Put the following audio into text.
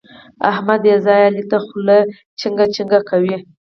احمد بې ځايه علي ته خوله چينګه چینګه کوي.